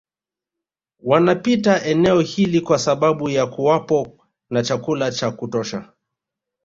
Wanapita eneo hili kwa sababu ya kuwapo na chakula cha kutosha